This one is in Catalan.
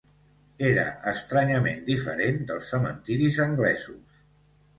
Era estranyament diferent dels cementiris anglesos